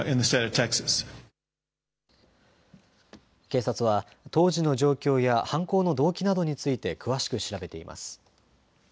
警察は当時の状況や犯行の動機などについて詳しく調べています。